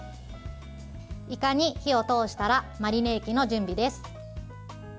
いかに火を通したらマリネ液の準備です。